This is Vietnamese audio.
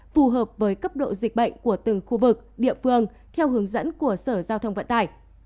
phù hợp với cấp độ dịch bệnh của từng khu vực địa phương theo hướng dẫn của sở giao thông vận tải